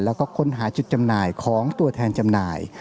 แล้วก็ค้นหาจุดจำหน่ายของตัวแทนจำหน่าย